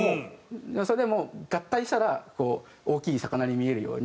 それでも合体したら大きい魚に見えるように。